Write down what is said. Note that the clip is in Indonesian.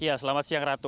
ya selamat siang ratu